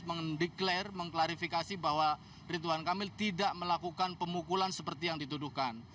mendeklarifikasi bahwa ridwan kamil tidak melakukan pemukulan seperti yang dituduhkan